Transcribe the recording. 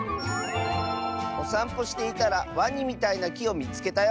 「おさんぽしていたらワニみたいなきをみつけたよ」。